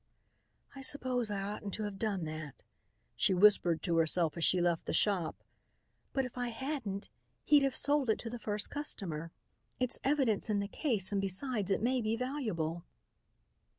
"I suppose I oughtn't to have done it," she whispered to herself as she left the shop, "but if I hadn't, he'd have sold it to the first customer. It's evidence in the case and besides it may be valuable."